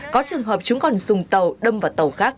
có trường hợp chúng còn dùng tàu đâm vào tàu khác